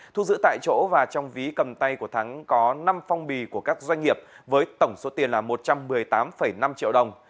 thu giữ tại chỗ và trong ví cầm tay của thắng có năm phong bì của các doanh nghiệp với tổng số tiền là một trăm một mươi tám năm triệu đồng